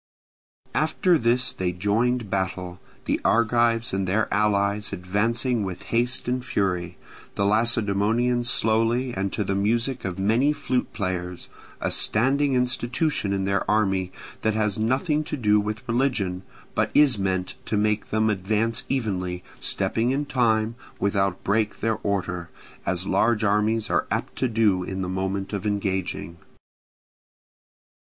After this they joined battle, the Argives and their allies advancing with haste and fury, the Lacedaemonians slowly and to the music of many flute players—a standing institution in their army, that has nothing to do with religion, but is meant to make them advance evenly, stepping in time, without break their order, as large armies are apt to do in the moment of engaging.